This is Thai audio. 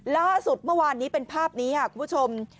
ล่าสุดเมื่อวานนี้เป็นภาพนี้ค่ะคุณผู้ชม